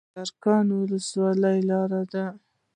سرکانو ولسوالۍ لاره ده؟